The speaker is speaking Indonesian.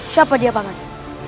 siapa dia bang adil